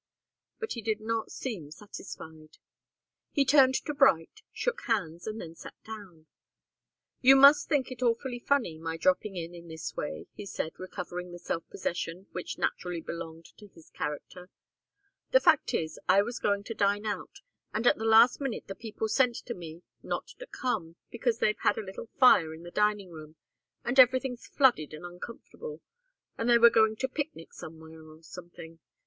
But he did not seem satisfied. He turned to Bright, shook hands, and then sat down. "You must think it awfully funny my dropping in, in this way," he said, recovering the self possession which naturally belonged to his character. "The fact is, I was going to dine out, and at the last minute the people sent to tell me not to come, because they've had a little fire in the dining room, and everything's flooded and uncomfortable, and they were going to picnic somewhere or something.